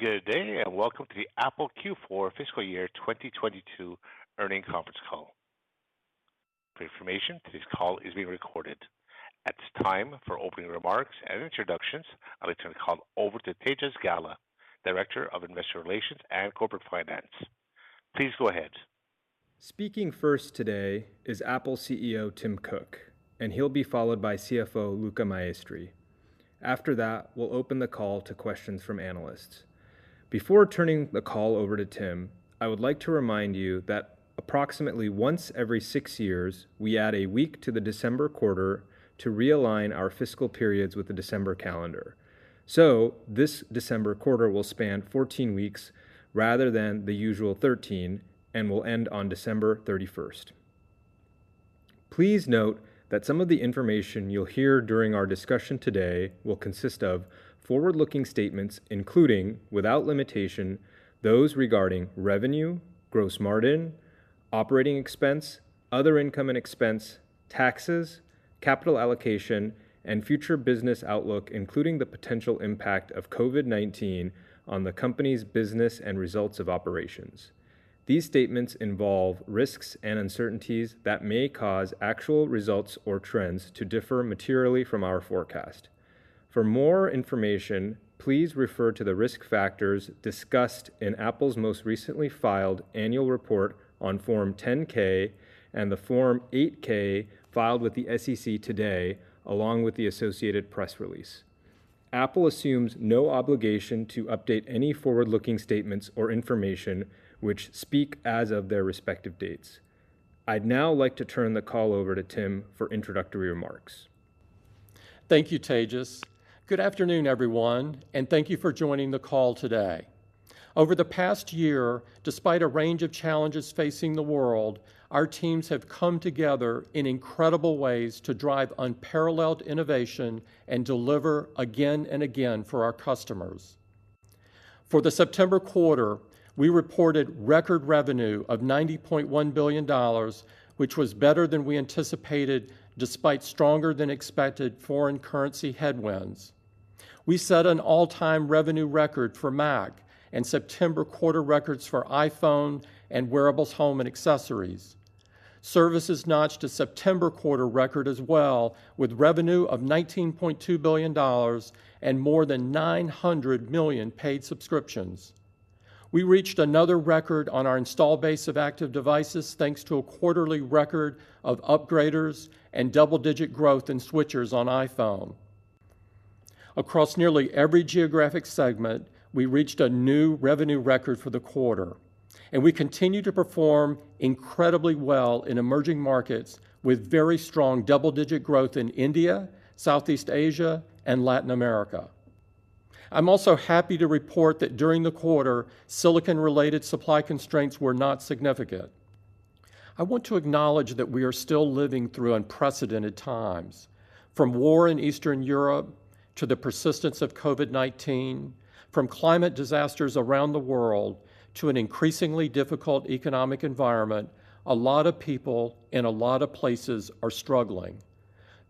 Good day, and welcome to the Apple Q4 Fiscal Year 2022 Earnings Conference Call. For information, today's call is being recorded. At this time, for opening remarks and introductions, I'll turn the call over to Tejas Gala, Director of Investor Relations and Corporate Finance. Please go ahead. Speaking first today is Apple CEO Tim Cook, and he'll be followed by CFO Luca Maestri. After that, we'll open the call to questions from analysts. Before turning the call over to Tim, I would like to remind you that approximately once every six years, we add a week to the December quarter to realign our fiscal periods with the December calendar. This December quarter will span 14 weeks rather than the usual 13 and will end on December 31. Please note that some of the information you'll hear during our discussion today will consist of forward-looking statements, including, without limitation, those regarding revenue, gross margin, operating expense, other income and expense, taxes, capital allocation, and future business outlook, including the potential impact of COVID-19 on the company's business and results of operations. These statements involve risks and uncertainties that may cause actual results or trends to differ materially from our forecast. For more information, please refer to the risk factors discussed in Apple's most recently filed annual report on Form 10-K and the Form 8-K filed with the SEC today, along with the associated press release. Apple assumes no obligation to update any forward-looking statements or information which speak as of their respective dates. I'd now like to turn the call over to Tim for introductory remarks. Thank you, Tejas. Good afternoon, everyone, and thank you for joining the call today. Over the past year, despite a range of challenges facing the world, our teams have come together in incredible ways to drive unparalleled innovation and deliver again and again for our customers. For the September quarter, we reported record revenue of $90.1 billion, which was better than we anticipated despite stronger than expected foreign currency headwinds. We set an all-time revenue record for Mac and September quarter records for iPhone and wearables, home and accessories. Services notched a September quarter record as well with revenue of $19.2 billion and more than 900 million paid subscriptions. We reached another record on our install base of active devices thanks to a quarterly record of upgraders and double-digit growth in switchers on iPhone. Across nearly every geographic segment, we reached a new revenue record for the quarter, and we continue to perform incredibly well in emerging markets with very strong double-digit growth in India, Southeast Asia, and Latin America. I'm also happy to report that during the quarter, silicon-related supply constraints were not significant. I want to acknowledge that we are still living through unprecedented times, from war in Eastern Europe to the persistence of COVID-19, from climate disasters around the world to an increasingly difficult economic environment. A lot of people in a lot of places are struggling.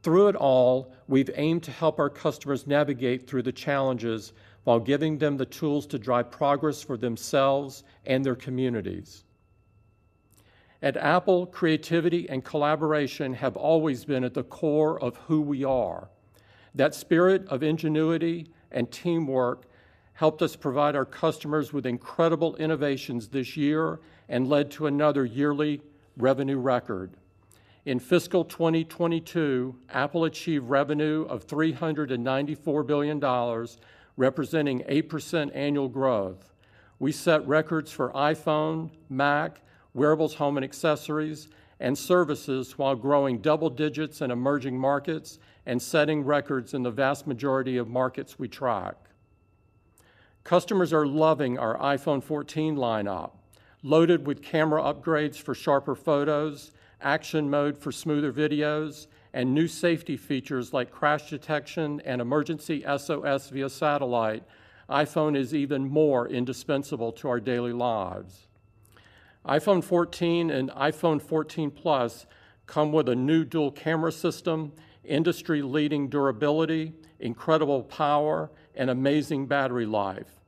Through it all, we've aimed to help our customers navigate through the challenges while giving them the tools to drive progress for themselves and their communities. At Apple, creativity and collaboration have always been at the core of who we are. That spirit of ingenuity and teamwork helped us provide our customers with incredible innovations this year and led to another yearly revenue record. In fiscal 2022, Apple achieved revenue of $394 billion, representing 8% annual growth. We set records for iPhone, Mac, Wearables, Home and Accessories, and Services while growing double digits in emerging markets and setting records in the vast majority of markets we track. Customers are loving our iPhone 14 lineup. Loaded with camera upgrades for sharper photos, Action mode for smoother videos, and new safety features like Crash Detection and Emergency SOS via satellite, iPhone is even more indispensable to our daily lives. iPhone 14 and iPhone 14 Plus come with a new dual camera system, industry-leading durability, incredible power, and amazing battery life.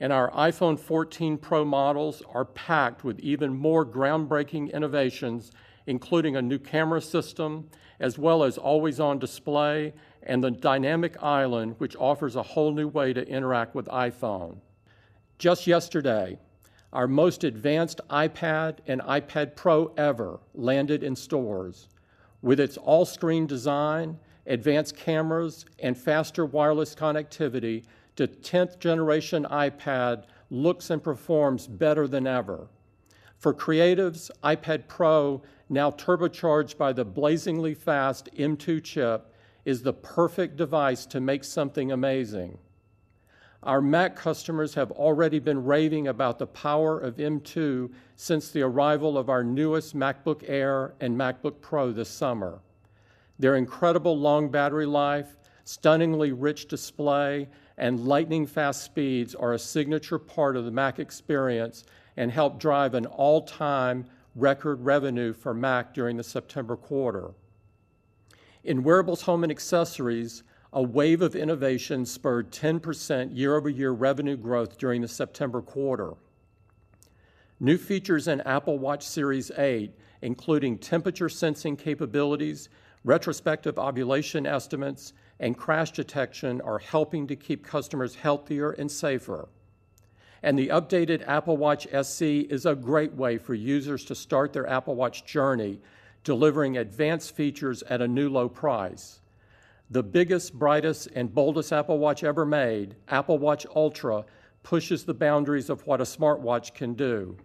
Our iPhone 14 Pro models are packed with even more groundbreaking innovations, including a new camera system, as well as always-on display and the Dynamic Island, which offers a whole new way to interact with iPhone. Just yesterday, our most advanced iPad and iPad Pro ever landed in stores. With its all-screen design, advanced cameras, and faster wireless connectivity, the tenth-generation iPad looks and performs better than ever. For creatives, iPad Pro, now turbocharged by the blazingly fast M2 chip, is the perfect device to make something amazing. Our Mac customers have already been raving about the power of M2 since the arrival of our newest MacBook Air and MacBook Pro this summer. Their incredible long battery life, stunningly rich display, and lightning-fast speeds are a signature part of the Mac experience and help drive an all-time record revenue for Mac during the September quarter. In Wearables, Home, and Accessories, a wave of innovation spurred 10% year-over-year revenue growth during the September quarter. New features in Apple Watch Series 8, including temperature sensing capabilities, retrospective ovulation estimates, and crash detection are helping to keep customers healthier and safer. The updated Apple Watch SE is a great way for users to start their Apple Watch journey, delivering advanced features at a new low price. The biggest, brightest, and boldest Apple Watch ever made, Apple Watch Ultra, pushes the boundaries of what a smartwatch can do.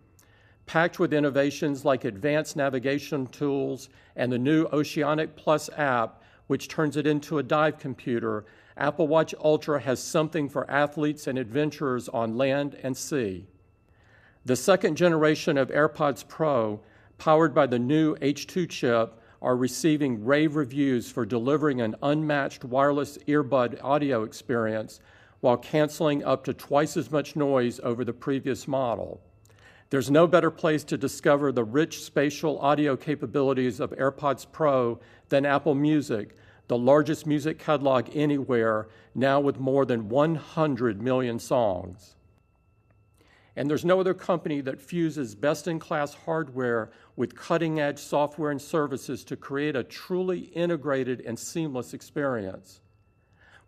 Packed with innovations like advanced navigation tools and the new Oceanic+ app, which turns it into a dive computer, Apple Watch Ultra has something for athletes and adventurers on land and sea. The second-generation AirPods Pro powered by the new H2 chip are receiving rave reviews for delivering an unmatched wireless earbud audio experience while canceling up to twice as much noise over the previous model. There's no better place to discover the rich spatial audio capabilities of AirPods Pro than Apple Music, the largest music catalog anywhere now with more than 100 million songs. There's no other company that fuses best-in-class hardware with cutting-edge software and services to create a truly integrated and seamless experience.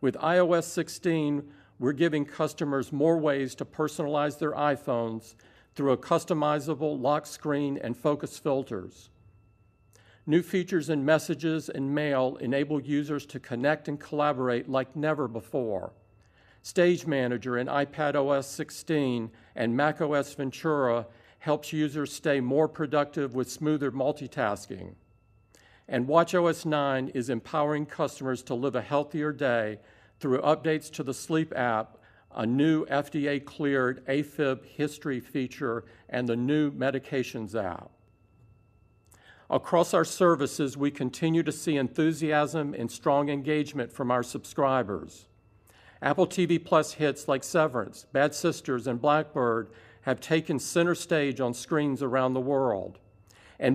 With iOS 16, we're giving customers more ways to personalize their iPhones through a customizable lock screen and focus filters. New features in Messages and Mail enable users to connect and collaborate like never before. Stage Manager in iPadOS 16 and macOS Ventura helps users stay more productive with smoother multitasking. watchOS 9 is empowering customers to live a healthier day through updates to the Sleep app, a new FDA-clearedAFib History feature, and the new Medications app. Across our services, we continue to see enthusiasm and strong engagement from our subscribers. Apple TV+ hits like Severance, Bad Sisters, and Black Bird have taken center stage on screens around the world.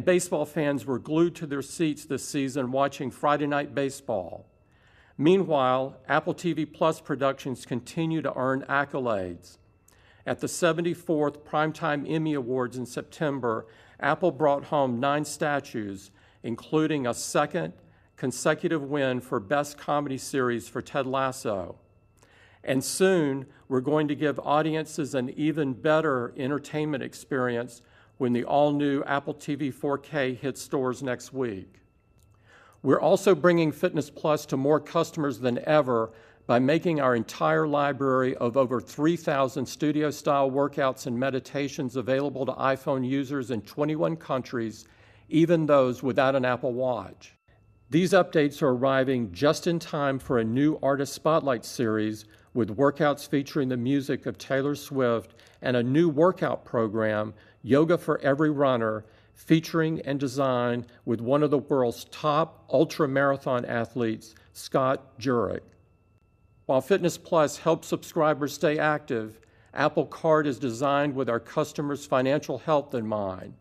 Baseball fans were glued to their seats this season watching Friday Night Baseball. Meanwhile, Apple TV+ productions continue to earn accolades. At the 74th Primetime Emmy Awards in September, Apple brought home 9 statues, including a second consecutive win for Best Comedy Series for Ted Lasso. Soon we're going to give audiences an even better entertainment experience when the all-new Apple TV 4K hits stores next week. We're also bringing Fitness+ to more customers than ever by making our entire library of over 3,000 studio-style workouts and meditations available to iPhone users in 21 countries, even those without an Apple Watch. These updates are arriving just in time for a new Artist Spotlight series with workouts featuring the music of Taylor Swift and a new workout program, Yoga for Every Runner, featuring and designed with one of the world's top ultramarathon athletes, Scott Jurek. While Fitness+ helps subscribers stay active, Apple Card is designed with our customers' financial health in mind.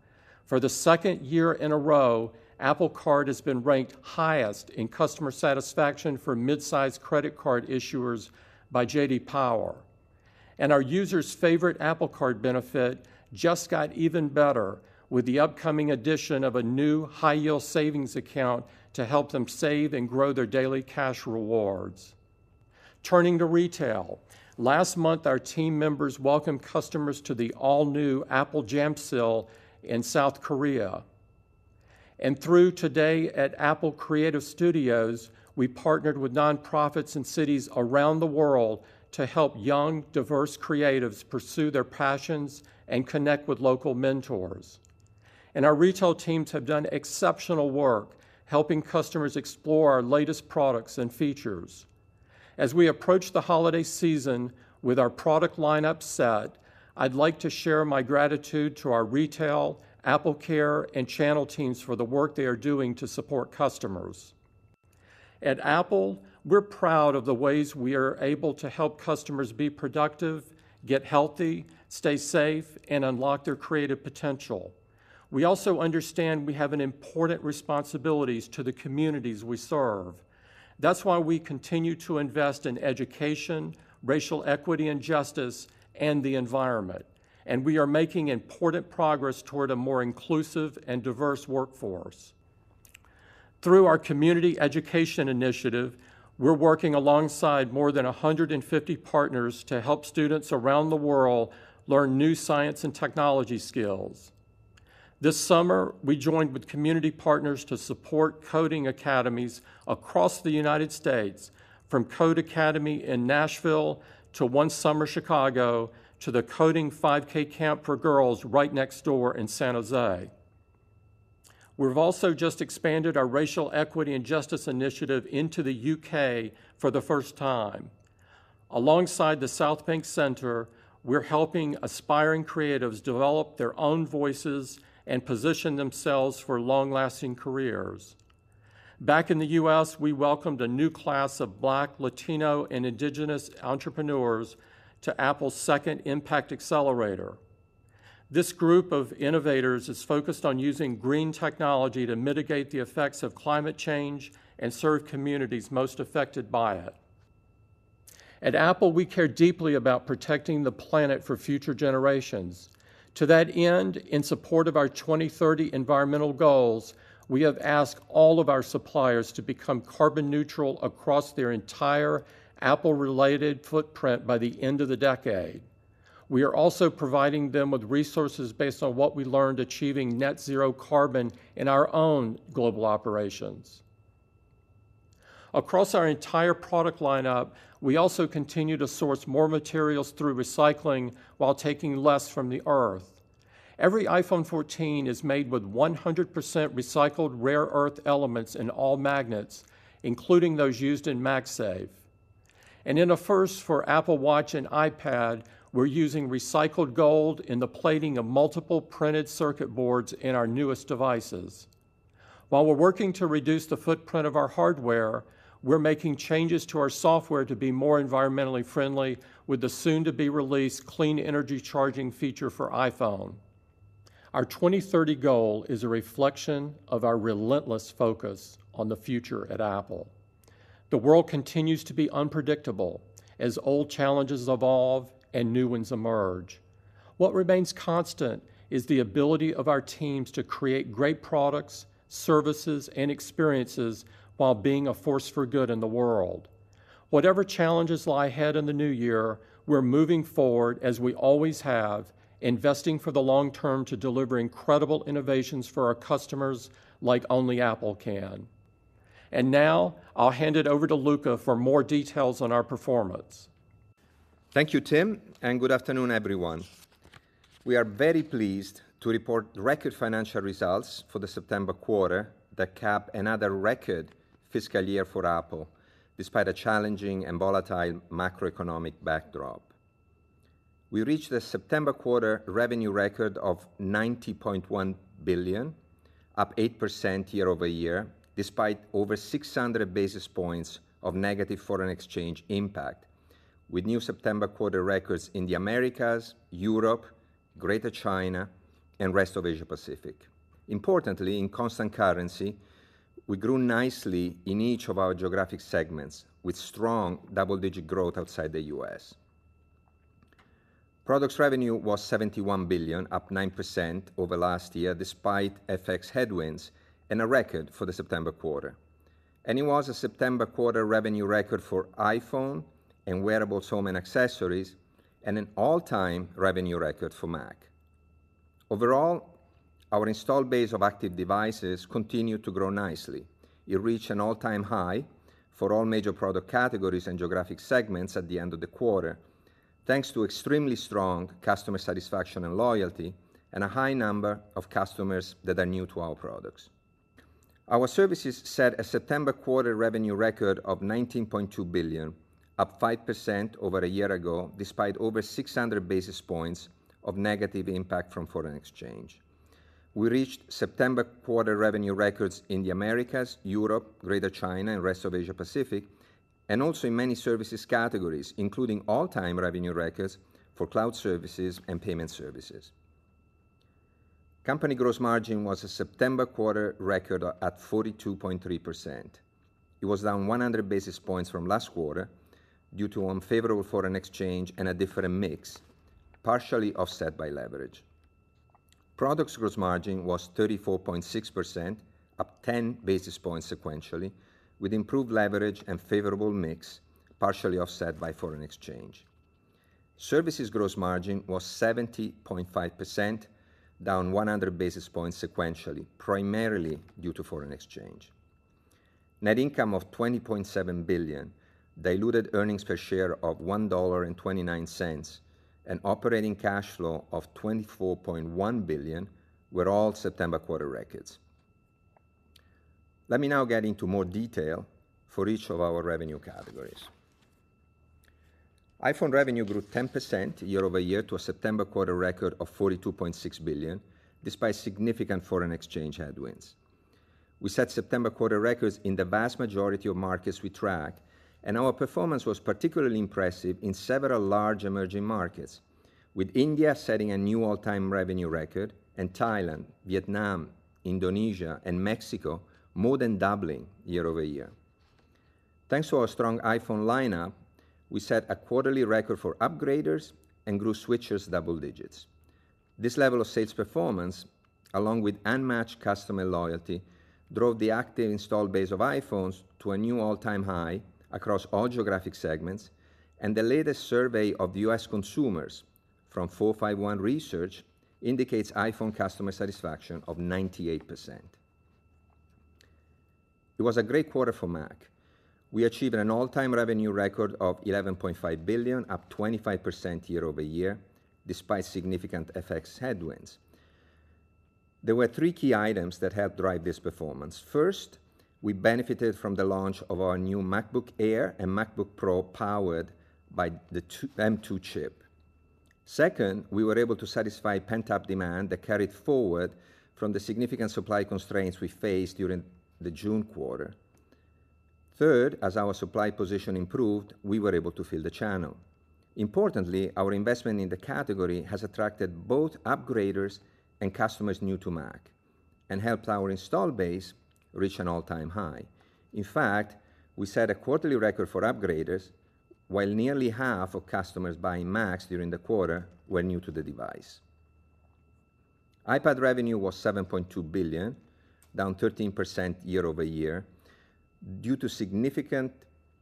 For the second year in a row, Apple Card has been ranked highest in customer satisfaction for midsize credit card issuers by J.D. Power. Our users' favorite Apple Card benefit just got even better with the upcoming addition of a new high-yield savings account to help them save and grow their Daily Cash rewards. Turning to retail, last month our team members welcomed customers to the all-new Apple Jamsil in South Korea. Through Today at Apple Creative Studios, we partnered with nonprofits in cities around the world to help young, diverse creatives pursue their passions and connect with local mentors. Our retail teams have done exceptional work helping customers explore our latest products and features. As we approach the holiday season with our product lineup set, I'd like to share my gratitude to our retail, AppleCare, and channel teams for the work they are doing to support customers. At Apple, we're proud of the ways we are able to help customers be productive, get healthy, stay safe, and unlock their creative potential. We also understand we have an important responsibilities to the communities we serve. That's why we continue to invest in education, Racial Equity and Justice, and the environment. We are making important progress toward a more inclusive and diverse workforce. Through our Community Education Initiative, we're working alongside more than 150 partners to help students around the world learn new science and technology skills. This summer, we joined with community partners to support coding academies across the United States from Codecademy in Nashville to One Summer Chicago to the App Design and Development Club for Girls right next door in San José. We've also just expanded our Racial Equity and Justice Initiative into the U.K. for the first time. Alongside the Southbank Centre, we're helping aspiring creatives develop their own voices and position themselves for long-lasting careers. Back in the US, we welcomed a new class of Black, Latino, and Indigenous entrepreneurs to Apple's second Impact Accelerator. This group of innovators is focused on using green technology to mitigate the effects of climate change and serve communities most affected by it. At Apple, we care deeply about protecting the planet for future generations. To that end, in support of our 2030 environmental goals, we have asked all of our suppliers to become carbon neutral across their entire Apple-related footprint by the end of the decade. We are also providing them with resources based on what we learned achieving net zero carbon in our own global operations. Across our entire product lineup, we also continue to source more materials through recycling while taking less from the Earth. Every iPhone 14 is made with 100% recycled rare earth elements in all magnets, including those used in MagSafe. In a first for Apple Watch and iPad, we're using recycled gold in the plating of multiple printed circuit boards in our newest devices. While we're working to reduce the footprint of our hardware, we're making changes to our software to be more environmentally friendly with the soon-to-be-released Clean Energy Charging feature for iPhone. Our 2030 goal is a reflection of our relentless focus on the future at Apple. The world continues to be unpredictable as old challenges evolve and new ones emerge. What remains constant is the ability of our teams to create great products, services, and experiences while being a force for good in the world. Whatever challenges lie ahead in the new year, we're moving forward as we always have, investing for the long term to deliver incredible innovations for our customers like only Apple can. Now I'll hand it over to Luca for more details on our performance. Thank you, Tim, and good afternoon, everyone. We are very pleased to report record financial results for the September quarter that cap another record fiscal year for Apple despite a challenging and volatile macroeconomic backdrop. We reached a September quarter revenue record of $90.1 billion, up 8% year-over-year, despite over 600 basis points of negative foreign exchange impact with new September quarter records in the Americas, Europe, Greater China, and rest of Asia-Pacific. Importantly, in constant currency, we grew nicely in each of our geographic segments with strong double-digit growth outside the US. Products revenue was $71 billion, up 9% over last year, despite FX headwinds and a record for the September quarter. It was a September quarter revenue record for iPhone and Wearables, Home and Accessories, and an all-time revenue record for Mac. Overall, our installed base of active devices continued to grow nicely. It reached an all-time high for all major product categories and geographic segments at the end of the quarter, thanks to extremely strong customer satisfaction and loyalty and a high number of customers that are new to our products. Our services set a September quarter revenue record of $19.2 billion, up 5% over a year ago, despite over 600 basis points of negative impact from foreign exchange. We reached September quarter revenue records in the Americas, Europe, Greater China, and rest of Asia-Pacific, and also in many services categories, including all-time revenue records for Cloud Services and Payment Services. Company gross margin was a September quarter record at 42.3%. It was down 100 basis points from last quarter due to unfavorable foreign exchange and a different mix, partially offset by leverage. Products gross margin was 34.6%, up 10 basis points sequentially, with improved leverage and favorable mix, partially offset by foreign exchange. Services gross margin was 70.5%, down 100 basis points sequentially, primarily due to foreign exchange. Net income of $20.7 billion, diluted earnings per share of $1.29, and operating cash flow of $24.1 billion were all September quarter records. Let me now get into more detail for each of our revenue categories. iPhone revenue grew 10% year-over-year to a September quarter record of $42.6 billion, despite significant foreign exchange headwinds. We set September quarter records in the vast majority of markets we track, and our performance was particularly impressive in several large emerging markets, with India setting a new all-time revenue record and Thailand, Vietnam, Indonesia, and Mexico more than doubling year-over-year. Thanks to our strong iPhone lineup, we set a quarterly record for upgraders and grew switchers double digits. This level of sales performance, along with unmatched customer loyalty, drove the active installed base of iPhones to a new all-time high across all geographic segments, and the latest survey of U.S. consumers from 451 Research indicates iPhone customer satisfaction of 98%. It was a great quarter for Mac. We achieved an all-time revenue record of $11.5 billion, up 25% year-over-year, despite significant FX headwinds. There were three key items that helped drive this performance. First, we benefited from the launch of our new MacBook Air and MacBook Pro powered by the M2 chip. Second, we were able to satisfy pent-up demand that carried forward from the significant supply constraints we faced during the June quarter. Third, as our supply position improved, we were able to fill the channel. Importantly, our investment in the category has attracted both upgraders and customers new to Mac and helped our install base reach an all-time high. In fact, we set a quarterly record for upgraders, while nearly half of customers buying Macs during the quarter were new to the device. iPad revenue was $7.2 billion, down 13% year-over-year due to significant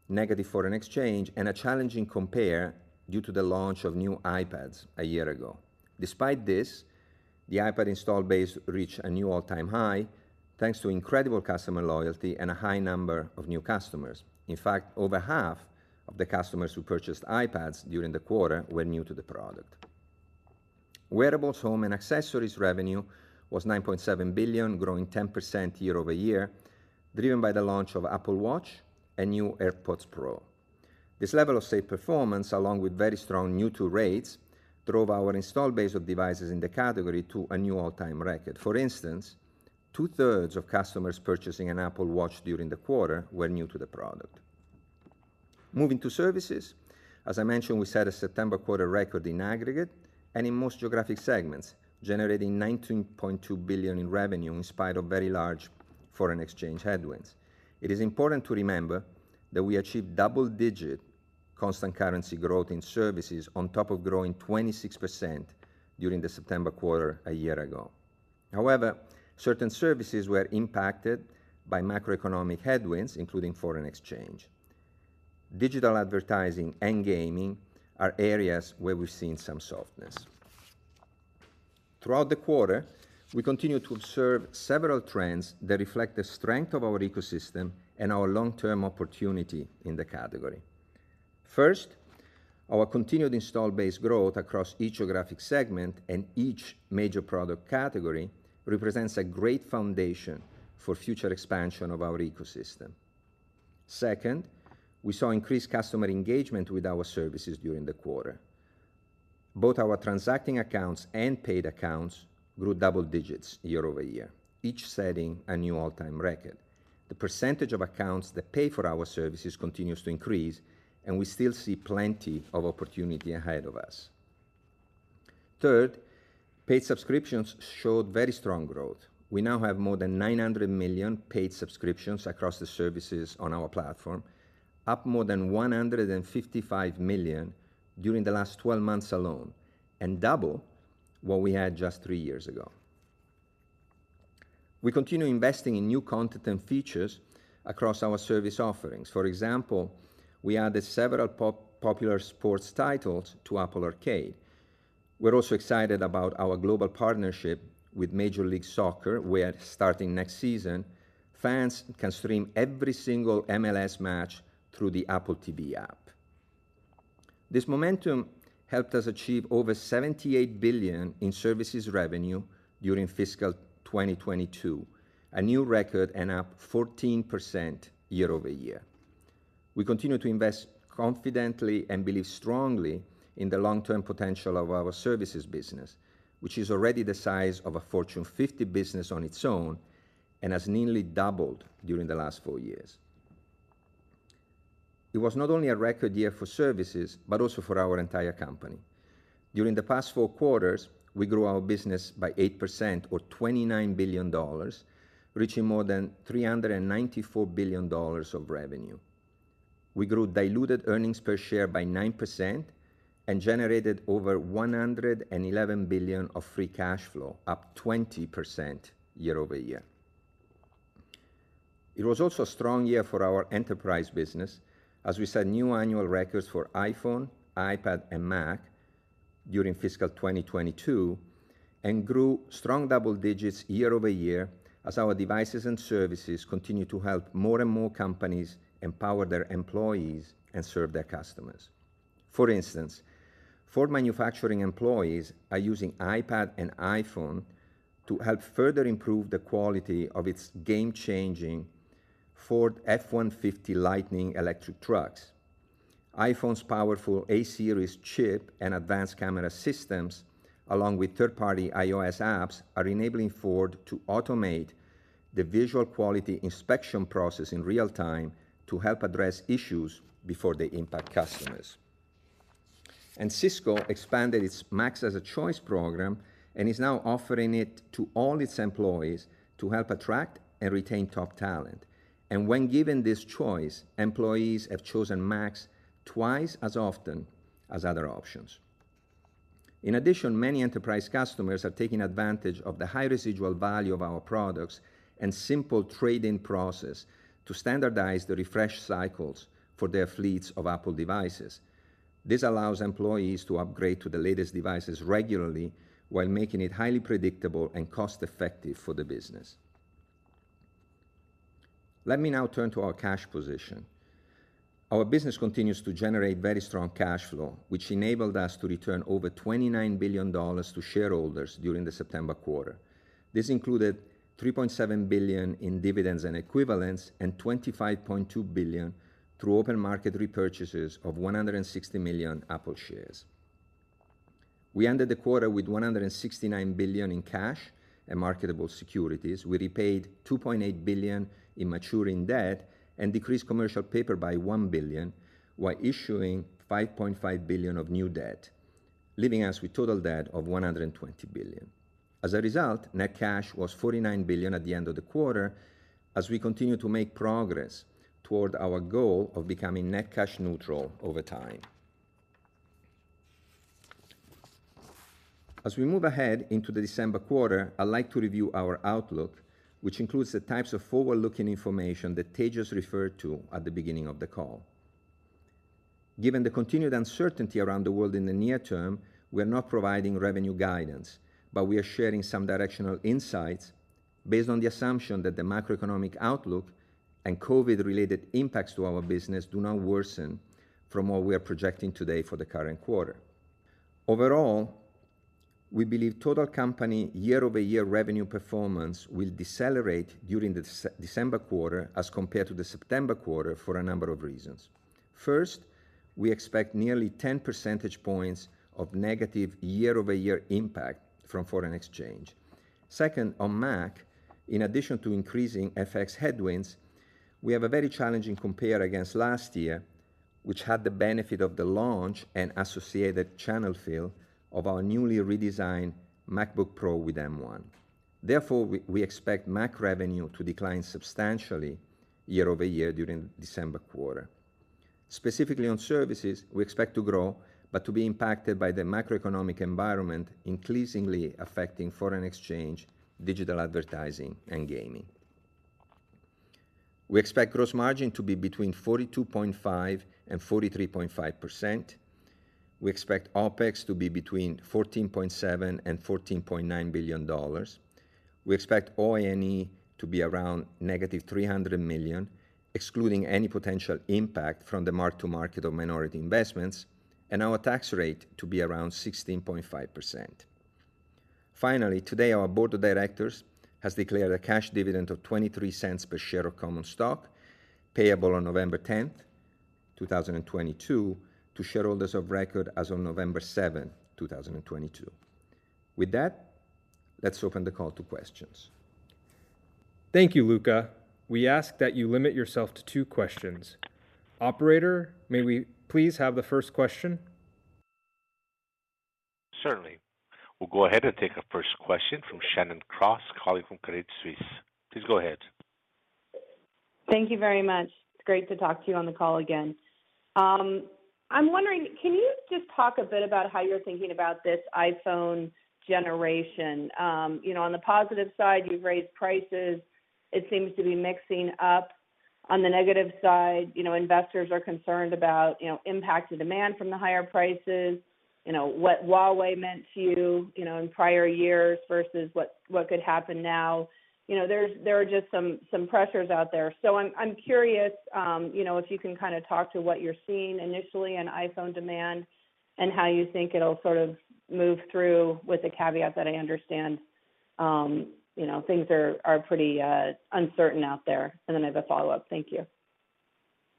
negative foreign exchange and a challenging compare due to the launch of new iPads a year ago. Despite this, the iPad install base reached a new all-time high, thanks to incredible customer loyalty and a high number of new customers. In fact, over half of the customers who purchased iPads during the quarter were new to the product. Wearables, Home, and Accessories revenue was $9.7 billion, growing 10% year-over-year, driven by the launch of Apple Watch and new AirPods Pro. This level of strong performance, along with very strong new-to rates, drove our installed base of devices in the category to a new all-time record. For instance, two-thirds of customers purchasing an Apple Watch during the quarter were new to the product. Moving to services. As I mentioned, we set a September quarter record in aggregate and in most geographic segments, generating $19.2 billion in revenue in spite of very large foreign exchange headwinds. It is important to remember that we achieved double-digit constant currency growth in services on top of growing 26% during the September quarter a year ago. However, certain services were impacted by macroeconomic headwinds, including foreign exchange. Digital advertising and gaming are areas where we've seen some softness. Throughout the quarter, we continued to observe several trends that reflect the strength of our ecosystem and our long-term opportunity in the category. First, our continued install base growth across each geographic segment and each major product category represents a great foundation for future expansion of our ecosystem. Second, we saw increased customer engagement with our services during the quarter. Both our transacting accounts and paid accounts grew double digits year-over-year, each setting a new all-time record. The percentage of accounts that pay for our services continues to increase, and we still see plenty of opportunity ahead of us. Third, paid subscriptions showed very strong growth. We now have more than 900 million paid subscriptions across the services on our platform, up more than 155 million during the last twelve months alone, and double what we had just three years ago. We continue investing in new content and features across our service offerings. For example, we added several popular sports titles to Apple Arcade. We're also excited about our global partnership with Major League Soccer, where starting next season, fans can stream every single MLS match through the Apple TV app. This momentum helped us achieve over $78 billion in services revenue during fiscal 2022, a new record and up 14% year-over-year. We continue to invest confidently and believe strongly in the long-term potential of our services business, which is already the size of a Fortune 50 business on its own and has nearly doubled during the last 4 years. It was not only a record year for services, but also for our entire company. During the past 4 quarters, we grew our business by 8% or $29 billion, reaching more than $394 billion of revenue. We grew diluted earnings per share by 9% and generated over $111 billion of free cash flow, up 20% year-over-year. It was also a strong year for our enterprise business as we set new annual records for iPhone, iPad, and Mac during fiscal 2022 and grew strong double digits year over year as our devices and services continued to help more and more companies empower their employees and serve their customers. For instance, Ford manufacturing employees are using iPad and iPhone to help further improve the quality of its game-changing Ford F-150 Lightning electric trucks. iPhone's powerful A-series chip and advanced camera systems, along with third-party iOS apps, are enabling Ford to automate the visual quality inspection process in real time to help address issues before they impact customers. Cisco expanded its Mac as a Choice program and is now offering it to all its employees to help attract and retain top talent. When given this choice, employees have chosen Macs twice as often as other options. In addition, many enterprise customers are taking advantage of the high residual value of our products and simple trade-in process to standardize the refresh cycles for their fleets of Apple devices. This allows employees to upgrade to the latest devices regularly while making it highly predictable and cost-effective for the business. Let me now turn to our cash position. Our business continues to generate very strong cash flow, which enabled us to return over $29 billion to shareholders during the September quarter. This included $3.7 billion in dividends and equivalents, and $25.2 billion through open market repurchases of 160 million Apple shares. We ended the quarter with $169 billion in cash and marketable securities. We repaid $2.8 billion in maturing debt and decreased commercial paper by $1 billion, while issuing $5.5 billion of new debt, leaving us with total debt of $120 billion. As a result, net cash was $49 billion at the end of the quarter, as we continue to make progress toward our goal of becoming net cash neutral over time. As we move ahead into the December quarter, I'd like to review our outlook, which includes the types of forward-looking information that Tejas referred to at the beginning of the call. Given the continued uncertainty around the world in the near term, we are not providing revenue guidance, but we are sharing some directional insights based on the assumption that the macroeconomic outlook and COVID-related impacts to our business do not worsen from what we are projecting today for the current quarter. Overall, we believe total company year-over-year revenue performance will decelerate during the December quarter as compared to the September quarter for a number of reasons. First, we expect nearly 10 percentage points of negative year-over-year impact from foreign exchange. Second, on Mac, in addition to increasing FX headwinds, we have a very challenging compare against last year, which had the benefit of the launch and associated channel fill of our newly redesigned MacBook Pro with M1. Therefore, we expect Mac revenue to decline substantially year-over-year during December quarter. Specifically on services, we expect to grow, but to be impacted by the macroeconomic environment increasingly affecting foreign exchange, digital advertising, and gaming. We expect gross margin to be between 42.5% and 43.5%. We expect OpEx to be between $14.7 billion and $14.9 billion. We expect OIE to be around -$300 million, excluding any potential impact from the mark-to-market of minority investments, and our tax rate to be around 16.5%. Finally, today, our board of directors has declared a cash dividend of $0.23 per share of common stock payable on November tenth, 2022 to shareholders of record as on November seventh, 2022. With that, let's open the call to questions. Thank you, Luca. We ask that you limit yourself to two questions. Operator, may we please have the first question? Certainly. We'll go ahead and take our first question from Shannon Cross calling from Credit Suisse. Please go ahead. Thank you very much. It's great to talk to you on the call again. I'm wondering, can you just talk a bit about how you're thinking about this iPhone generation? You know, on the positive side, you've raised prices. It seems to be mixing up. On the negative side, you know, investors are concerned about, you know, impact to demand from the higher prices, you know, what Huawei meant to you know, in prior years versus what could happen now. You know, there are just some pressures out there. I'm curious, you know, if you can kind of talk to what you're seeing initially in iPhone demand and how you think it'll sort of move through with the caveat that I understand, you know, things are pretty uncertain out there. I have a follow-up. Thank you.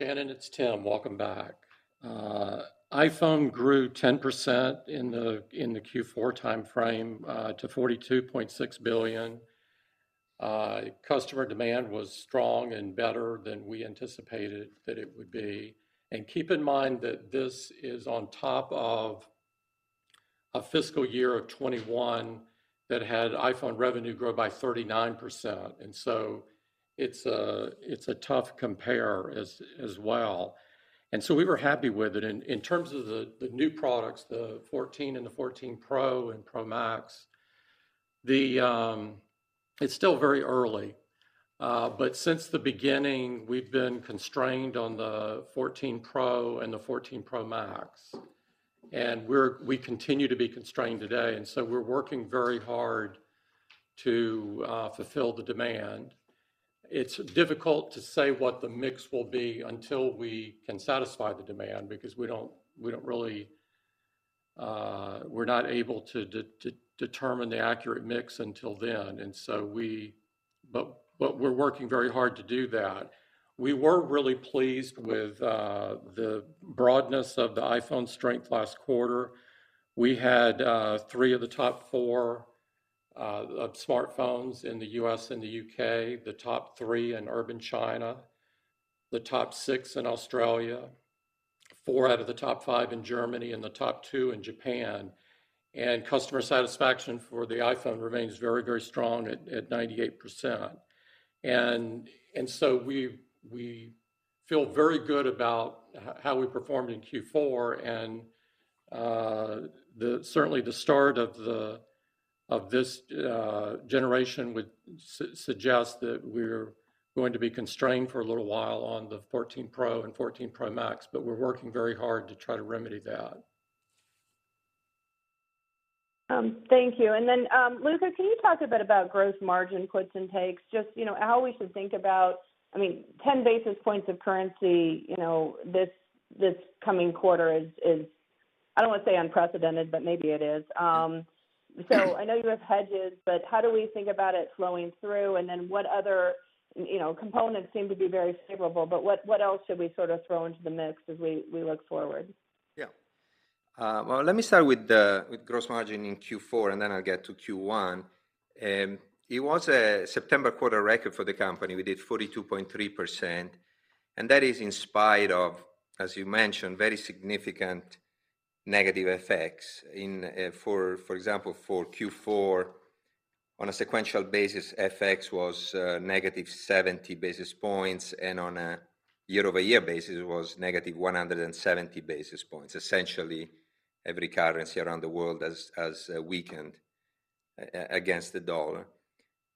Shannon, it's Tim. Welcome back. iPhone grew 10% in the Q4 timeframe to $42.6 billion. Customer demand was strong and better than we anticipated that it would be. Keep in mind that this is on top of a fiscal year of 2021 that had iPhone revenue grow by 39%. It's a tough compare as well. We were happy with it. In terms of the new products, the 14 and the 14 Pro and Pro Max. It's still very early, but since the beginning we've been constrained on the 14 Pro and the 14 Pro Max, and we continue to be constrained today, and we're working very hard to fulfill the demand. It's difficult to say what the mix will be until we can satisfy the demand because we don't really, we're not able to determine the accurate mix until then. We're working very hard to do that. We were really pleased with the broadness of the iPhone strength last quarter. We had three of the top four of smartphones in the U.S. and the U.K., the top three in urban China, the top six in Australia, four out of the top five in Germany, and the top two in Japan. Customer satisfaction for the iPhone remains very, very strong at 98%. We feel very good about how we performed in Q4 and certainly the start of this generation would suggest that we're going to be constrained for a little while on the 14 Pro and 14 Pro Max, but we're working very hard to try to remedy that. Thank you. Luca, can you talk a bit about gross margin puts and takes? Just, you know, how we should think about, I mean, 10 basis points of currency, you know, this coming quarter is, I don't want to say unprecedented, but maybe it is. I know you have hedges, but how do we think about it flowing through? Then what other, you know, components seem to be very favorable, but what else should we sort of throw into the mix as we look forward? Yeah. Well, let me start with gross margin in Q4, and then I'll get to Q1. It was a September quarter record for the company. We did 42.3%, and that is in spite of, as you mentioned, very significant negative effects, for example, for Q4 on a sequential basis, FX was negative 70 basis points, and on a year-over-year basis was negative 170 basis points. Essentially, every currency around the world has weakened against the dollar.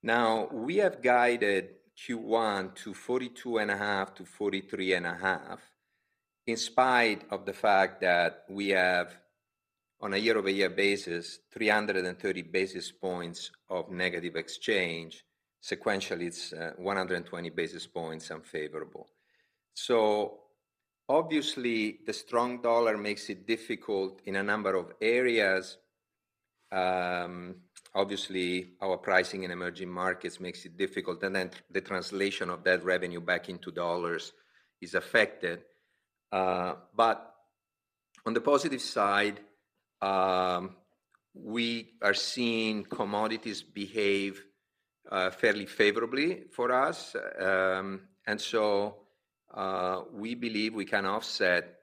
Now, we have guided Q1 to 42.5%–43.5% in spite of the fact that we have, on a year-over-year basis, 330 basis points of negative exchange. Sequentially, it's 120 basis points unfavorable. Obviously, the strong dollar makes it difficult in a number of areas. Obviously, our pricing in emerging markets makes it difficult, and then the translation of that revenue back into dollars is affected. On the positive side, we are seeing commodities behave fairly favorably for us. We believe we can offset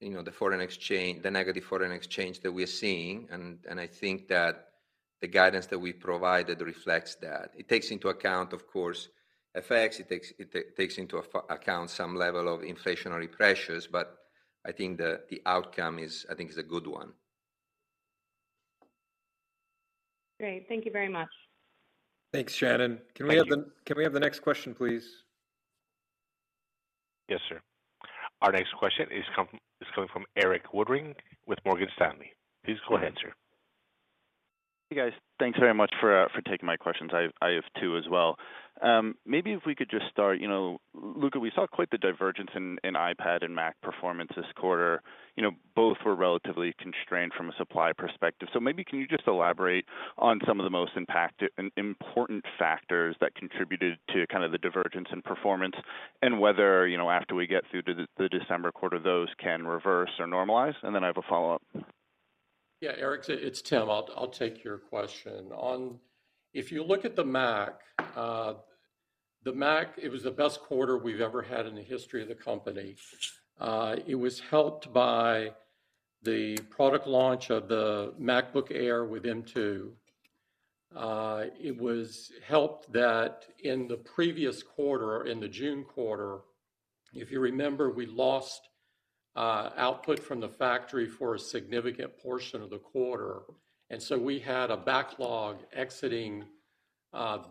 you know the foreign exchange, the negative foreign exchange that we're seeing, and I think that the guidance that we provided reflects that. It takes into account, of course, FX. It takes into account some level of inflationary pressures, but I think the outcome is a good one. Great. Thank you very much. Thanks, Shannon. Thank you. Can we have the next question, please? Yes, sir. Our next question is coming from Erik Woodring with Morgan Stanley. Please go ahead, sir. Hey, guys. Thanks very much for taking my questions. I have two as well. Maybe if we could just start, you know, Luca, we saw quite the divergence in iPad and Mac performance this quarter. You know, both were relatively constrained from a supply perspective. Maybe can you just elaborate on some of the most important factors that contributed to kind of the divergence in performance and whether, you know, after we get through to the December quarter, those can reverse or normalize? Then I have a follow-up. Yeah, Erik, it's Tim. I'll take your question. On, if you look at the Mac, the Mac, it was the best quarter we've ever had in the history of the company. It was helped by the product launch of the MacBook Air with M2. It was helped that in the previous quarter, in the June quarter, if you remember, we lost output from the factory for a significant portion of the quarter, and so we had a backlog exiting our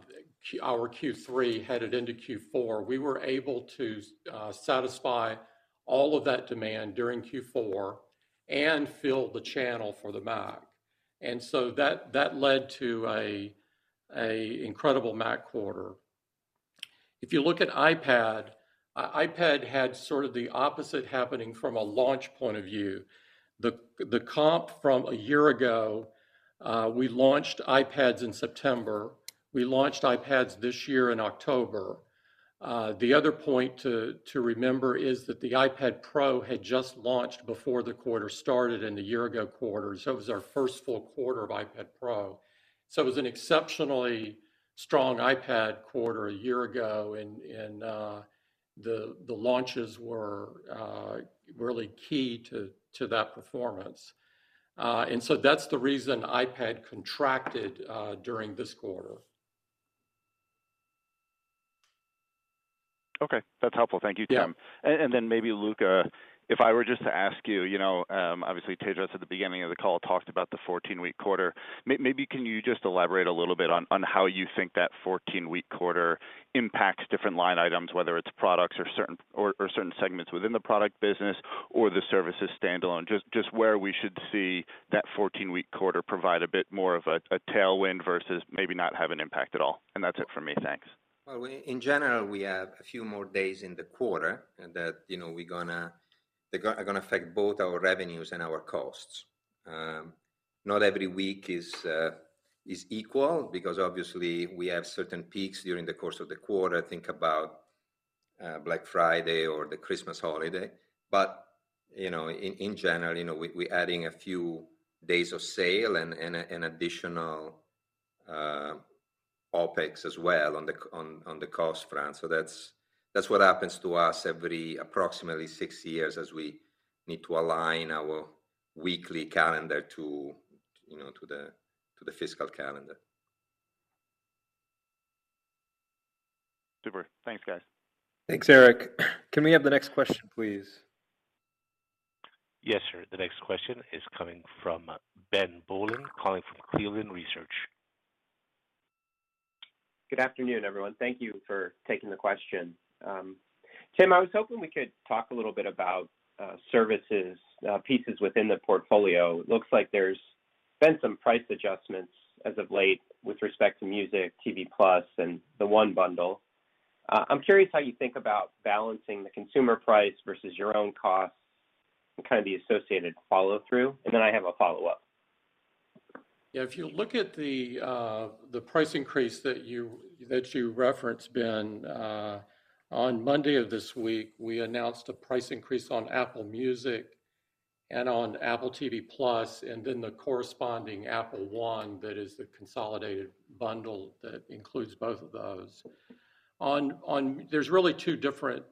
Q3 headed into Q4. We were able to satisfy all of that demand during Q4 and fill the channel for the Mac. And so that led to an incredible Mac quarter. If you look at iPad had sort of the opposite happening from a launch point of view. The comp from a year ago, we launched iPads in September. We launched iPads this year in October. The other point to remember is that the iPad Pro had just launched before the quarter started in the year-ago quarter. It was our first full quarter of iPad Pro. It was an exceptionally strong iPad quarter a year ago, and the launches were really key to that performance. That's the reason iPad contracted during this quarter. Okay. That's helpful. Thank you, Tim. Yeah. Then maybe Luca, if I were just to ask you know, obviously Tejas Gala at the beginning of the call talked about the 14-week quarter. Maybe can you just elaborate a little bit on how you think that 14-week quarter impacts different line items, whether it's products or certain segments within the product business or the services standalone? Just where we should see that 14-week quarter provide a bit more of a tailwind versus maybe not have an impact at all. That's it for me. Thanks. In general, we have a few more days in the quarter. They're going to affect both our revenues and our costs. Not every week is equal because obviously we have certain peaks during the course of the quarter. Think about Black Friday or the Christmas holiday. You know, in general, we're adding a few days of sale and an additional OpEx as well on the cost front. That's what happens to us every approximately six years as we need to align our weekly calendar to, you know, the fiscal calendar. Super. Thanks, guys. Thanks, Erik. Can we have the next question, please? Yes, sir. The next question is coming from Ben Bollin, calling from Cleveland Research. Good afternoon, everyone. Thank you for taking the question. Tim, I was hoping we could talk a little bit about services pieces within the portfolio. It looks like there's been some price adjustments as of late with respect to Apple Music, Apple TV+, and Apple One. I'm curious how you think about balancing the consumer price versus your own costs and kind of the associated follow-through. I have a follow-up. Yeah, if you look at the price increase that you referenced, Ben, on Monday of this week, we announced a price increase on Apple Music and on Apple TV+ and then the corresponding Apple One that is the consolidated bundle that includes both of those. There's really two different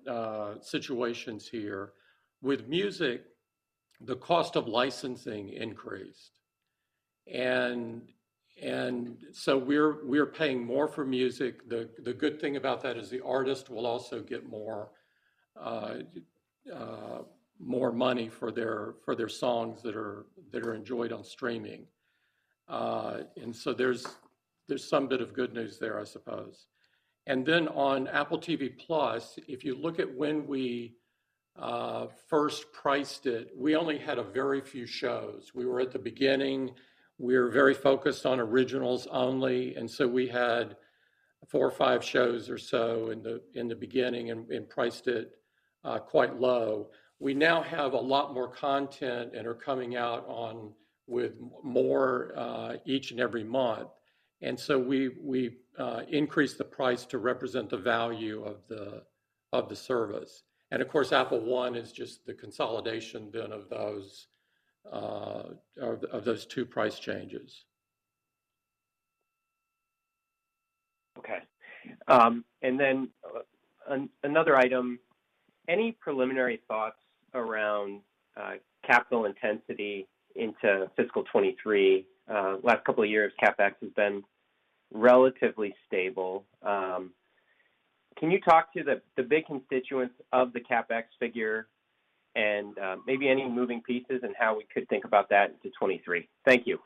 situations here. With Music, the cost of licensing increased and so we're paying more for music. The good thing about that is the artist will also get more money for their songs that are enjoyed on streaming. There's some bit of good news there, I suppose. On Apple TV+, if you look at when we first priced it, we only had a very few shows. We were at the beginning. We were very focused on originals only, and so we had four or five shows or so in the beginning and priced it quite low. We now have a lot more content and are coming out with more each and every month. We increased the price to represent the value of the service. Of course, Apple One is just the consolidation, Ben, of those two price changes. Okay. Another item. Any preliminary thoughts around capital intensity into fiscal 2023? Last couple of years, CapEx has been relatively stable. Can you talk to the big constituents of the CapEx figure and maybe any moving pieces and how we could think about that into 2023? Thank you.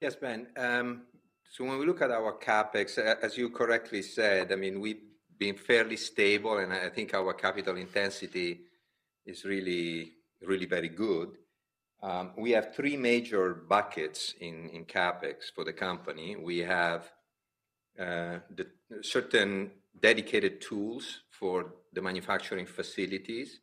Yes, Ben. So when we look at our CapEx, as you correctly said, I mean, we've been fairly stable, and I think our capital intensity is really very good. We have three major buckets in CapEx for the company. We have the certain dedicated tools for the manufacturing facilities.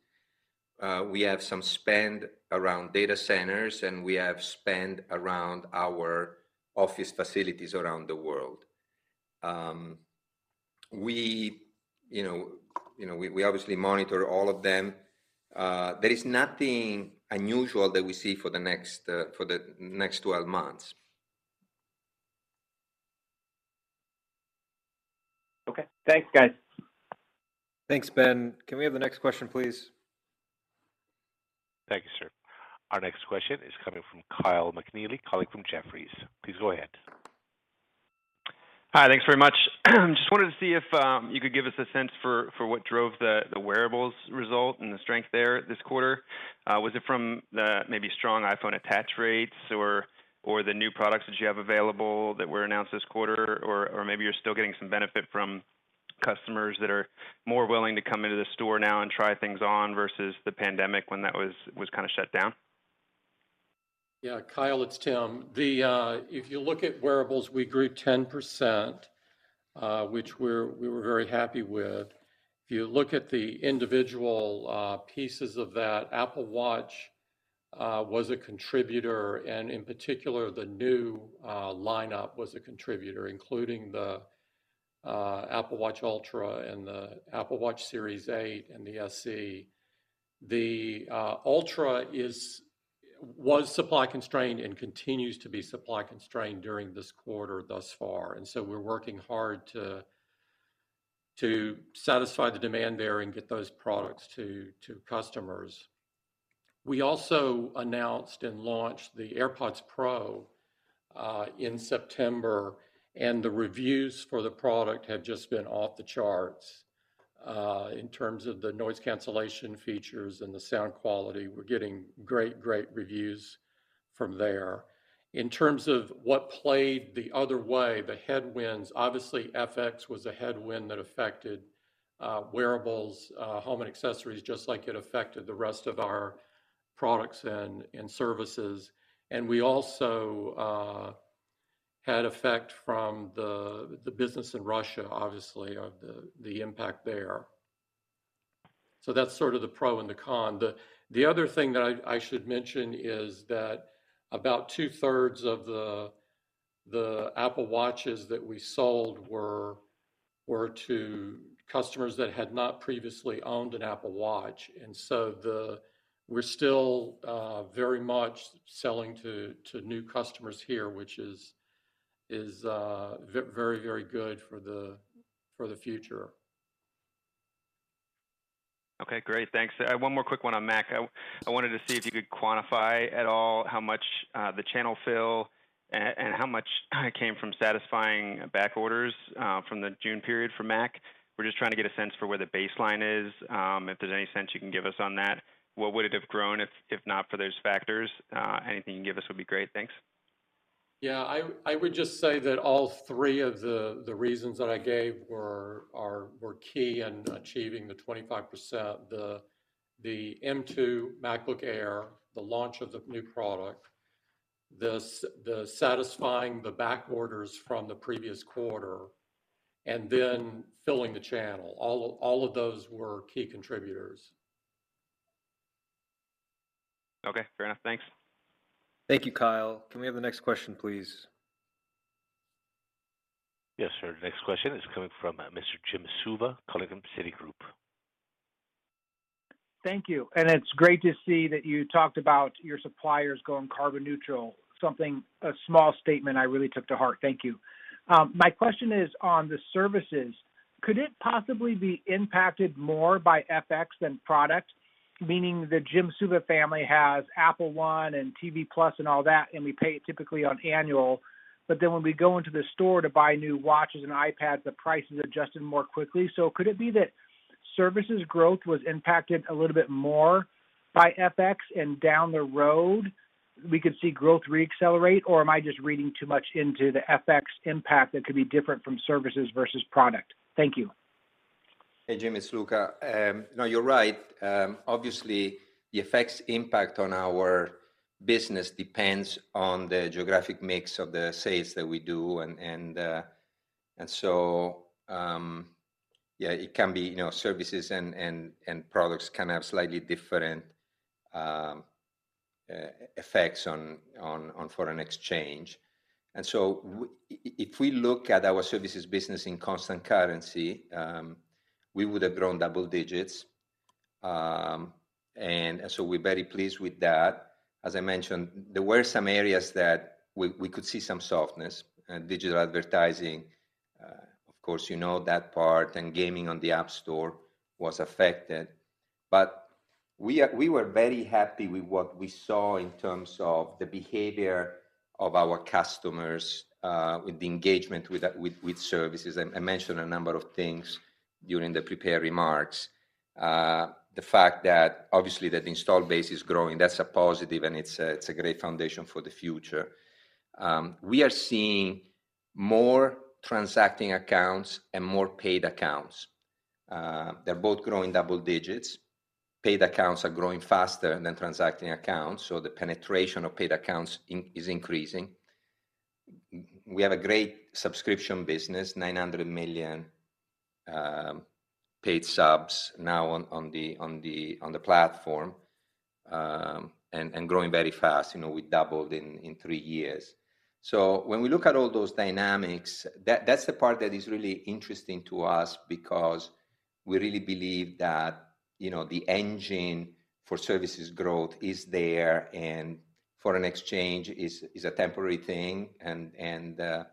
We have some spend around data centers, and we have spend around our office facilities around the world. You know, we obviously monitor all of them. There is nothing unusual that we see for the next 12 months. Okay. Thanks, guys. Thanks, Ben. Can we have the next question, please? Thank you, sir. Our next question is coming from Kyle McNealy, colleague from Jefferies. Please go ahead. Hi. Thanks very much. Just wanted to see if you could give us a sense for what drove the wearables result and the strength there this quarter. Was it from the maybe strong iPhone attach rates or the new products that you have available that were announced this quarter? Or maybe you're still getting some benefit from customers that are more willing to come into the store now and try things on versus the pandemic when that was kind of shut down? Yeah, Kyle, it's Tim. If you look at wearables, we grew 10%, which we were very happy with. If you look at the individual pieces of that, Apple Watch was a contributor, and in particular, the new lineup was a contributor, including the Apple Watch Ultra and the Apple Watch Series 8 and the SE. The Ultra was supply constrained and continues to be supply constrained during this quarter thus far, and so we're working hard to satisfy the demand there and get those products to customers. We also announced and launched the AirPods Pro in September, and the reviews for the product have just been off the charts. In terms of the noise cancellation features and the sound quality, we're getting great reviews from there. In terms of what played the other way, the headwinds, obviously FX was a headwind that affected wearables, home and accessories, just like it affected the rest of our products and services. We also had effect from the business in Russia, obviously, of the impact there. That's sort of the pro and the con. The other thing that I should mention is that about two-thirds of the Apple Watches that we sold were to customers that had not previously owned an Apple Watch. We're still very much selling to new customers here, which is very good for the future. Okay, great. Thanks. I have one more quick one on Mac. I wanted to see if you could quantify at all how much the channel fill and how much came from satisfying back orders from the June period for Mac. We're just trying to get a sense for where the baseline is, if there's any sense you can give us on that. What would it have grown if not for those factors? Anything you can give us would be great. Thanks. Yeah. I would just say that all three of the reasons that I gave were key in achieving the 25%. The M2 MacBook Air, the launch of the new product. The satisfying the back orders from the previous quarter and then filling the channel. All of those were key contributors. Okay, fair enough. Thanks. Thank you, Kyle. Can we have the next question, please? Yes, sir. The next question is coming from Mr. Jim Suva, Citigroup. Thank you. It's great to see that you talked about your suppliers going carbon neutral, something, a small statement I really took to heart. Thank you. My question is on the services. Could it possibly be impacted more by FX than product? Meaning the Jim Suva family has Apple One and Apple TV+ and all that, and we pay it typically on annual. Then when we go into the store to buy new watches and iPads, the price is adjusted more quickly. Could it be that services growth was impacted a little bit more by FX, and down the road we could see growth re-accelerate? Or am I just reading too much into the FX impact that could be different from services versus product? Thank you. Hey, Jim, it's Luca. No, you're right. Obviously, the FX impact on our business depends on the geographic mix of the sales that we do and so, yeah, it can be, you know, services and products can have slightly different effects on foreign exchange. If we look at our services business in constant currency, we would have grown double digits. We're very pleased with that. As I mentioned, there were some areas that we could see some softness. Digital advertising, of course, you know that part, and gaming on the App Store was affected. We were very happy with what we saw in terms of the behavior of our customers with the engagement with services. I mentioned a number of things during the prepared remarks. The fact that obviously the install base is growing, that's a positive and it's a great foundation for the future. We are seeing more transacting accounts and more paid accounts. They're both growing double digits. Paid accounts are growing faster than transacting accounts, so the penetration of paid accounts is increasing. We have a great subscription business, 900 million paid subs now on the platform, and growing very fast. You know, we doubled in three years. When we look at all those dynamics, that's the part that is really interesting to us because we really believe that, you know, the engine for services growth is there and foreign exchange is a temporary thing. The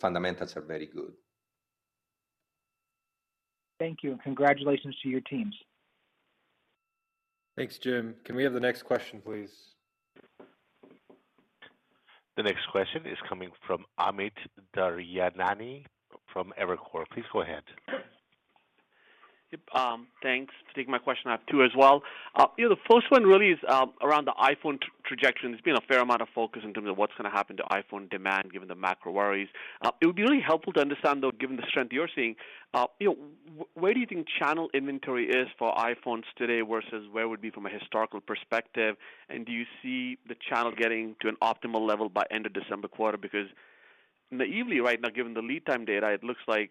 fundamentals are very good. Thank you, and congratulations to your teams. Thanks, Jim. Can we have the next question, please? The next question is coming from Amit Daryanani from Evercore. Please go ahead. Yep, thanks. To take my question, I have two as well. The first one really is around the iPhone trajectory. There's been a fair amount of focus in terms of what's gonna happen to iPhone demand given the macro worries. It would be really helpful to understand, though, given the strength you're seeing, where do you think channel inventory is for iPhones today versus where it would be from a historical perspective? Do you see the channel getting to an optimal level by end of December quarter? Because naively right now, given the lead time data, it looks like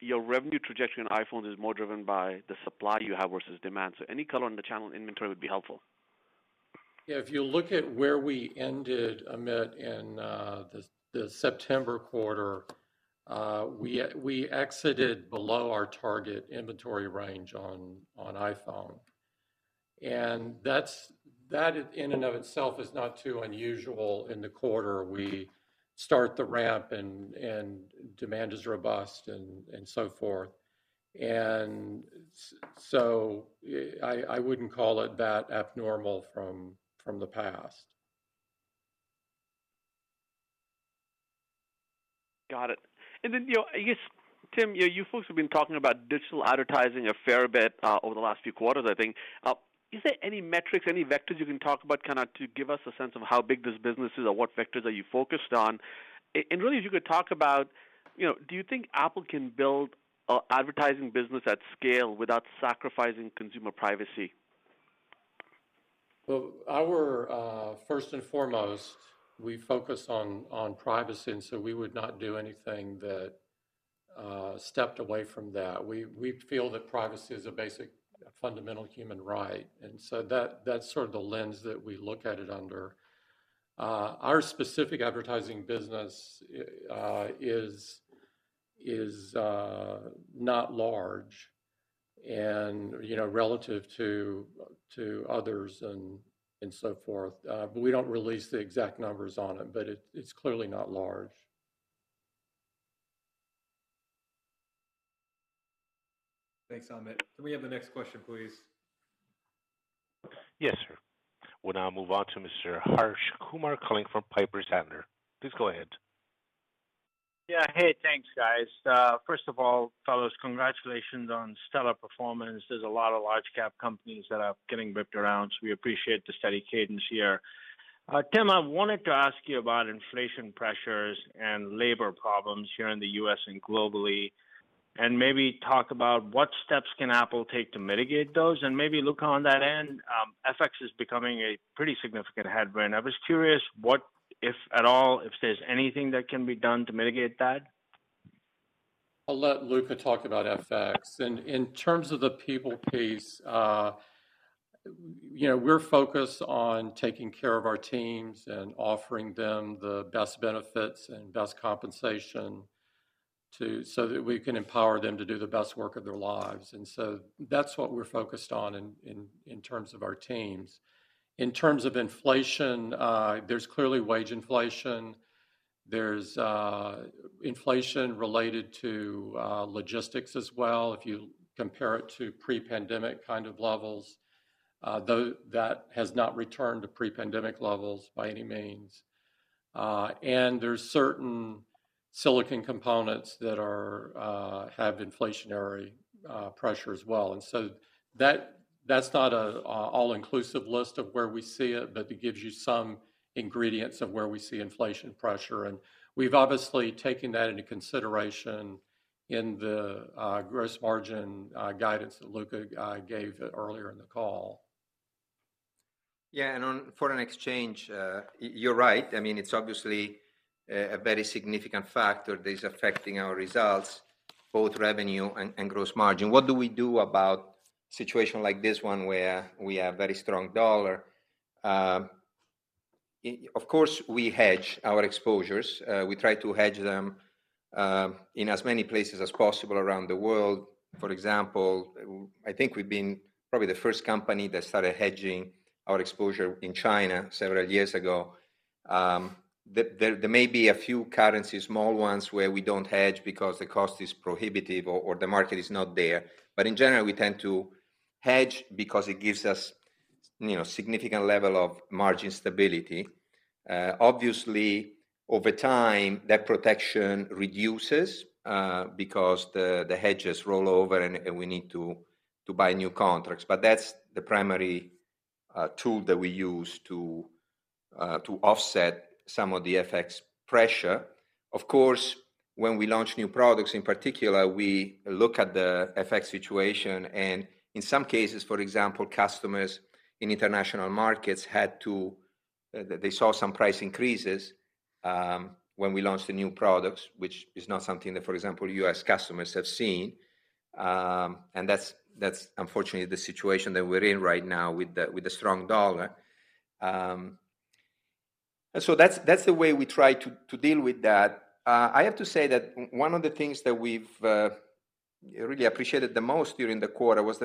your revenue trajectory on iPhone is more driven by the supply you have versus demand. Any color on the channel inventory would be helpful. Yeah. If you look at where we ended, Amit, in the September quarter, we exited below our target inventory range on iPhone. That's in and of itself not too unusual in the quarter. We start the ramp and demand is robust and so forth. So I wouldn't call it that abnormal from the past. Got it. You know, I guess, Tim, you know, you folks have been talking about digital advertising a fair bit over the last few quarters, I think. Is there any metrics, any vectors you can talk about kinda to give us a sense of how big this business is or what vectors are you focused on? Really if you could talk about, you know, do you think Apple can build a advertising business at scale without sacrificing consumer privacy? Well, first and foremost, we focus on privacy, and so we would not do anything that stepped away from that. We feel that privacy is a basic fundamental human right, and so that's sort of the lens that we look at it under. Our specific advertising business is not large, you know, relative to others and so forth. We don't release the exact numbers on it, but it's clearly not large. Thanks, Amit. Can we have the next question, please? Yes, sir. We'll now move on to Mr. Harsh Kumar calling from Piper Sandler. Please go ahead. Yeah. Hey, thanks, guys. First of all, fellows, congratulations on stellar performance. There's a lot of large cap companies that are getting ripped around, so we appreciate the steady cadence here. Tim, I wanted to ask you about inflation pressures and labor problems here in the U.S. and globally. Maybe talk about what steps can Apple take to mitigate those, and maybe Luca on that end. FX is becoming a pretty significant headwind. I was curious what, if at all, there's anything that can be done to mitigate that? I'll let Luca talk about FX. In terms of the people piece, you know, we're focused on taking care of our teams and offering them the best benefits and best compensation so that we can empower them to do the best work of their lives. That's what we're focused on in terms of our teams. In terms of inflation, there's clearly wage inflation. There's inflation related to logistics as well. If you compare it to pre-pandemic kind of levels, that has not returned to pre-pandemic levels by any means. There's certain silicon components that have inflationary pressure as well. That's not an all-inclusive list of where we see it, but it gives you some ingredients of where we see inflation pressure. We've obviously taken that into consideration in the gross margin guidance that Luca gave earlier in the call. Yeah. On foreign exchange, you're right. I mean, it's obviously a very significant factor that is affecting our results, both revenue and gross margin. What do we do about situation like this one where we have very strong dollar? Of course, we hedge our exposures. We try to hedge them in as many places as possible around the world. For example, I think we've been probably the first company that started hedging our exposure in China several years ago. There may be a few currencies, small ones, where we don't hedge because the cost is prohibitive or the market is not there. But in general, we tend to hedge because it gives us, you know, significant level of margin stability. Obviously, over time, that protection reduces because the hedges roll over and we need to buy new contracts. That's the primary tool that we use to offset some of the FX pressure. Of course, when we launch new products, in particular, we look at the FX situation, and in some cases, for example, customers in international markets saw some price increases when we launched the new products, which is not something that, for example, U.S. customers have seen. That's unfortunately the situation that we're in right now with the strong dollar. That's the way we try to deal with that. I have to say that one of the things that we've really appreciated the most during the quarter was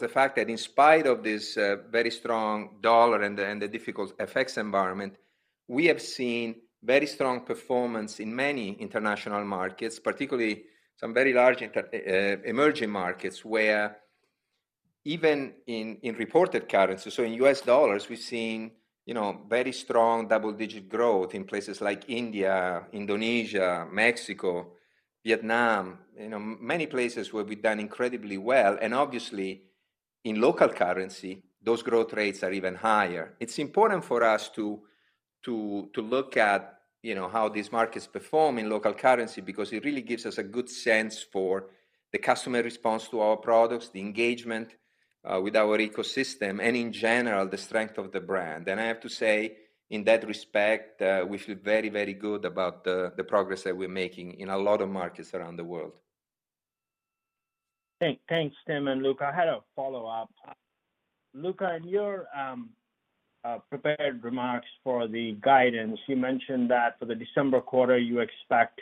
the fact that in spite of this very strong dollar and the difficult FX environment, we have seen very strong performance in many international markets, particularly some very large emerging markets, where even in reported currency, so in US dollars, we've seen, you know, very strong double-digit growth in places like India, Indonesia, Mexico, Vietnam, you know, many places where we've done incredibly well. Obviously, in local currency, those growth rates are even higher. It's important for us to look at, you know, how these markets perform in local currency because it really gives us a good sense for the customer response to our products, the engagement with our ecosystem and, in general, the strength of the brand. I have to say, in that respect, we feel very, very good about the progress that we're making in a lot of markets around the world. Thanks, Tim and Luca. I had a follow-up. Luca, in your prepared remarks for the guidance, you mentioned that for the December quarter, you expect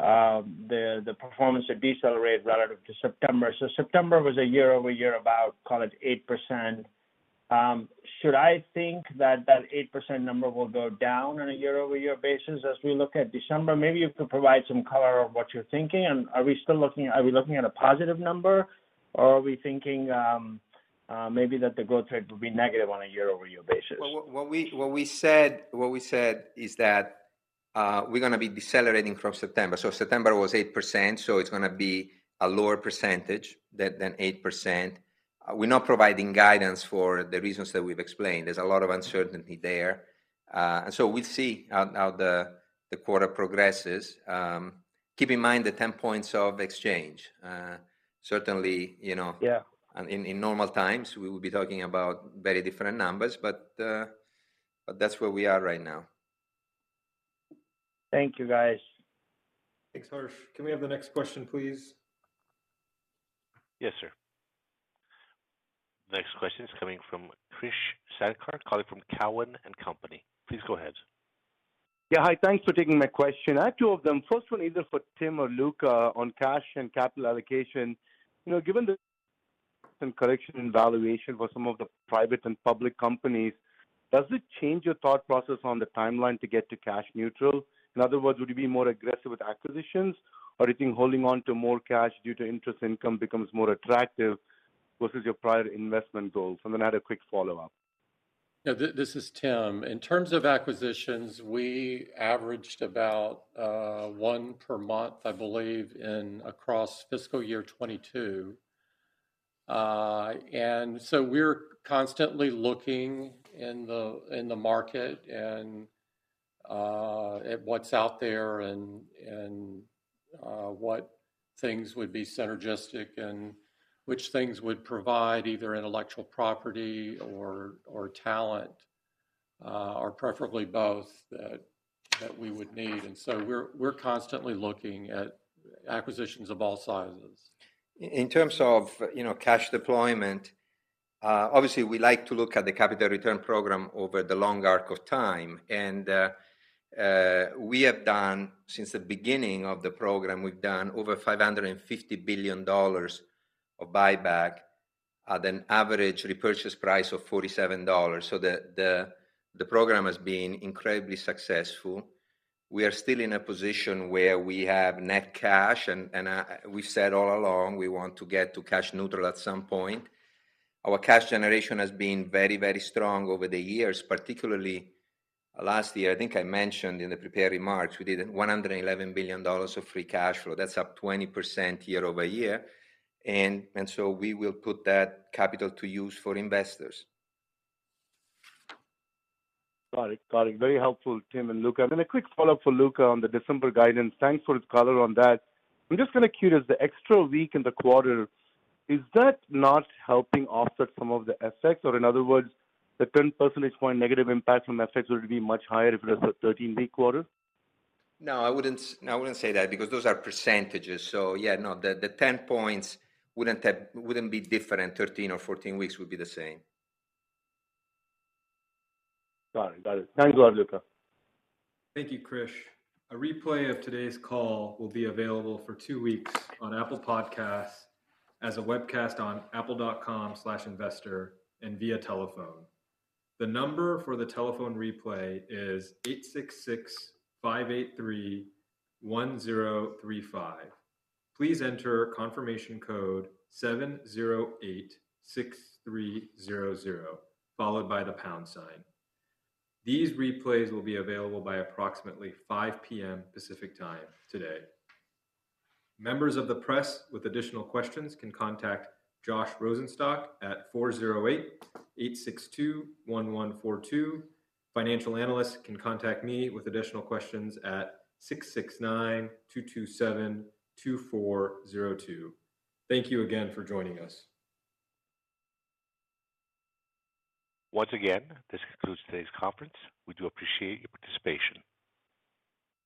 the performance to decelerate relative to September. September was a year-over-year about, call it, 8%. Should I think that 8% number will go down on a year-over-year basis as we look at December? Maybe you could provide some color on what you're thinking. Are we still looking at a positive number, or are we thinking maybe that the growth rate will be negative on a year-over-year basis? Well, what we said is that we're gonna be decelerating from September. September was 8%, so it's gonna be a lower percentage than 8%. We're not providing guidance for the reasons that we've explained. There's a lot of uncertainty there. We'll see how the quarter progresses. Keep in mind the 10 points of FX. Certainly, you know. Yeah In normal times, we would be talking about very different numbers, but that's where we are right now. Thank you, guys. Thanks, Harsh. Can we have the next question, please? Yes, sir. Next question is coming from Krish Sankar calling from Cowen and Company. Please go ahead. Yeah. Hi, thanks for taking my question. I have two of them. First one either for Tim or Luca on cash and capital allocation. You know, given some correction in valuation for some of the private and public companies, does it change your thought process on the timeline to get to cash neutral? In other words, would you be more aggressive with acquisitions, or do you think holding on to more cash due to interest income becomes more attractive versus your prior investment goals? I had a quick follow-up. Yeah. This is Tim. In terms of acquisitions, we averaged about one per month, I believe, across fiscal year 2022. We're constantly looking in the market and at what's out there and what things would be synergistic and which things would provide either intellectual property or talent, or preferably both that we would need. We're constantly looking at acquisitions of all sizes. In terms of, you know, cash deployment, obviously we like to look at the capital return program over the long arc of time. Since the beginning of the program, we've done over $550 billion of buyback at an average repurchase price of $47. The program has been incredibly successful. We are still in a position where we have net cash, and we said all along we want to get to cash neutral at some point. Our cash generation has been very, very strong over the years, particularly last year. I think I mentioned in the prepared remarks, we did $111 billion of free cash flow. That's up 20% year-over-year, and so we will put that capital to use for investors. Got it. Very helpful, Tim and Luca. Then a quick follow-up for Luca on the December guidance. Thanks for the color on that. I'm just kind of curious, the extra week in the quarter, is that not helping offset some of the FX? Or in other words, the 10 percentage point negative impact from FX would be much higher if it was a 13-week quarter? No, I wouldn't say that because those are percentages. Yeah, no, the 10 points wouldn't be different. 13 or 14 weeks would be the same. Got it. Thanks a lot, Luca. Thank you, Krish. A replay of today's call will be available for two weeks on Apple Podcasts as a webcast on apple.com/investor and via telephone. The number for the telephone replay is 866-583-1035. Please enter confirmation code 7086300, followed by the pound sign. These replays will be available by approximately 5 P.M. Pacific Time today. Members of the press with additional questions can contact Josh Rosenstock at 408-862-1142. Financial analysts can contact me with additional questions at 669-227-2402. Thank you again for joining us. Once again, this concludes today's conference. We do appreciate your participation.